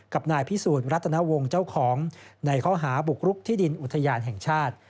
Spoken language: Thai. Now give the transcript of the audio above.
กับนายพิสูจน์รัตนวงศ์เจ้าของในข้อหาบุกรุกที่ดินอุทยานแห่งชาติ